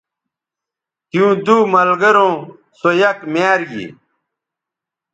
تیوں دو ملگروں سو یک میار گی